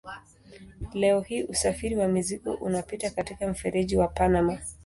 Leo hii usafiri wa mizigo unapita katika mfereji wa Panama.